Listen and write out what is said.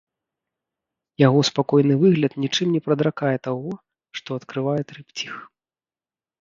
Яго спакойны выгляд нічым не прадракае таго, што адкрывае трыпціх.